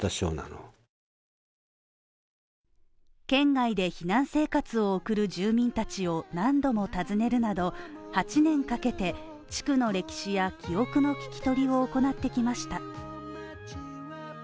県外で避難生活を送る住民たちを何度も訪ねるなど８年かけて地区の歴史や記憶の聞き取りを行ってきました。